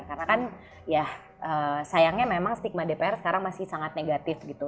karena kan sayangnya memang stigma dpr sekarang masih sangat negatif gitu